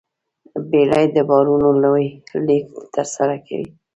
بیړۍ د بارونو لوی لېږد ترسره کوي.